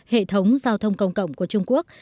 hệ thống giao thông công cộng của trung quốc